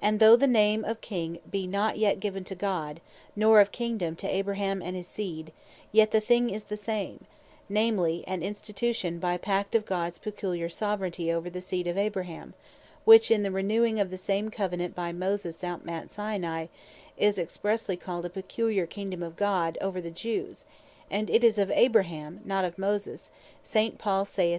And though the name of King be not yet given to God, nor of Kingdome to Abraham and his seed; yet the thing is the same; namely, an Institution by pact, of Gods peculiar Soveraignty over the seed of Abraham; which in the renewing of the same Covenant by Moses, at Mount Sinai, is expressely called a peculiar Kingdome of God over the Jews: and it is of Abraham (not of Moses) St. Paul saith (Rom. 4.11.)